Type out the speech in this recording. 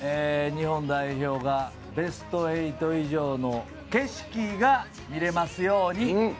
日本代表がベスト８以上の景色が見れますように！